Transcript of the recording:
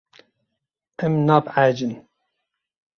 Em nabehecin.